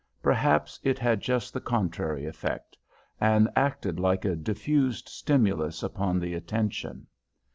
Perhaps it had just the contrary effect, and acted like a diffused stimulus upon the attention.